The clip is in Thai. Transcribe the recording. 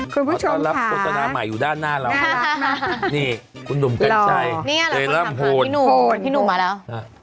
คุณผู้ชมค่ะนี่คุณหนุ่มกันชัยเซรั่มโหดพี่หนุ่มมาแล้ว